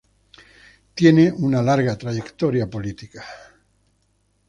Tiene una larga trayectoria política.